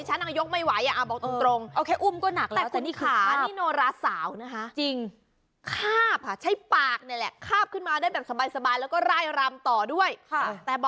หนักมากคนธรรมดาเดี๋ยวดิฉันน